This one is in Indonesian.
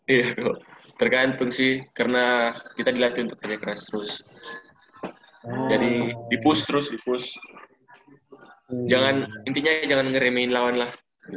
iya tergantung sih karena kita dilatih untuk kerja keras terus jadi dipus terus dipus jangan intinya jangan ngeremehin lawan lah